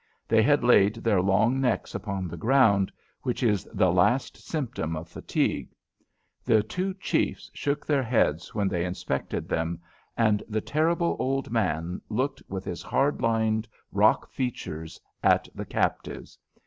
They had laid their long necks upon the ground, which is the last symptom of fatigue. The two chiefs shook their heads when they inspected them, and the terrible old man looked with his hard lined, rock features at the captives.